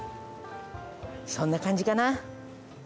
そんな感じかな。